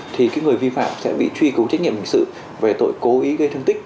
thì người vi phạm sẽ bị truy cứu trách nhiệm hình sự về tội cố ý gây thương tích